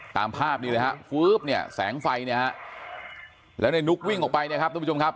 ตามภาพนี้เลยฮะฟื๊บเนี่ยแสงไฟเนี่ยฮะแล้วในนุกวิ่งออกไปเนี่ยครับทุกผู้ชมครับ